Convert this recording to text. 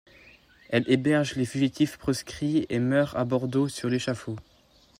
Elle héberge les fugitifs proscrits et meurt à Bordeaux sur l'échafaud.